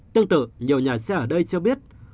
tương tự nhiều nhà xe ở đây cho biết